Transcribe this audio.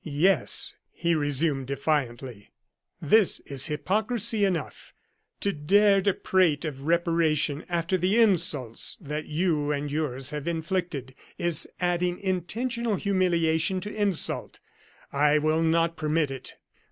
"Yes," he resumed, defiantly, "this is hypocrisy enough. To dare to prate of reparation after the insults that you and yours have inflicted, is adding intentional humiliation to insult and I will not permit it."